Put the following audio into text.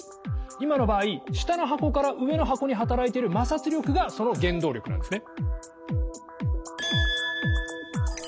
今の場合下の箱から上の箱に働いてる摩擦力がその原動力なんですね。